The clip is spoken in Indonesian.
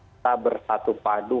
kita bersatu padu